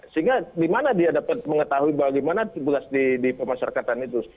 sehingga dimana dia dapat mengetahui bagaimana tugas di pemasarkan tangan itu